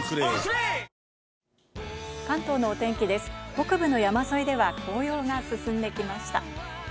北部の山沿いでは紅葉が進んできました。